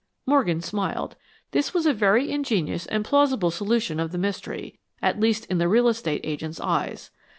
Morgan smiled. This was a very ingenious and plausible solution of the mystery at least in the real estate agent's eyes.